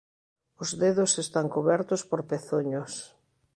Os dedos están cubertos por pezuños.